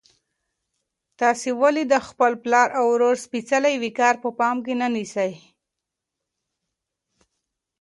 تاسو ولې د خپل پلار او ورور سپېڅلی وقار په پام کې نه نیسئ؟